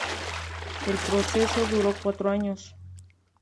El proceso duró cuatro años.